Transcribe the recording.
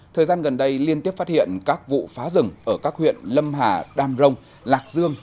thời gian gần đây liên tiếp phát hiện các vụ phá rừng ở các huyện lâm hà đam rông lạc dương